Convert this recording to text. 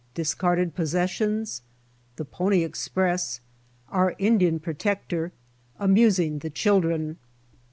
— DISCARDED POSSESSIONS. — THE PONY EXPRESS. — OUR INDIAN PROTECTOR. — AMUSING THE CHILDREN.